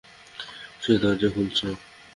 সে দরজা খুলছে।